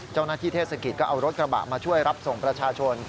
เจ้านักที่เทศกิจก็เอารถกระบะมาช่วยรับส่งประชาชน